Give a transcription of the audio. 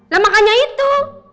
nah makanya itu